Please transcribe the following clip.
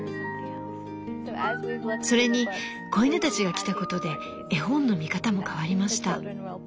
それに子犬たちが来たことで絵本の見方も変わりました。